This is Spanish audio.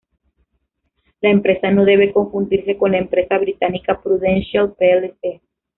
La empresa no debe confundirse con la empresa británica Prudential plc.